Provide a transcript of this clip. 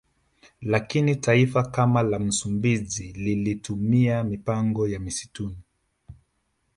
Lakini taifa kama la Msumbiji lilitumia mapigano ya msituni